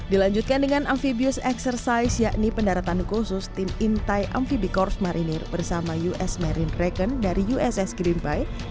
dilanjutkan dengan amfibius exercise yakni pendaratan khusus tim intai amfibi korps marinir bersama us marine recon dari uss green bike